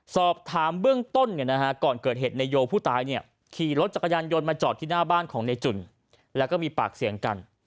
สอบถามเบื้องต้นก่อนเกิดเหตุในโยผู้ตายขี่รถจักรยานยนต์มาจอดที่หน้าบ้านของในจุ่นแล้วก็มีปากเสียงกัน